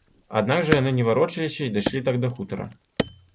Аднак жа яны не варочаліся і дайшлі так да хутара.